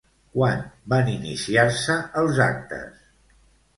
Quan van iniciar-se els actes?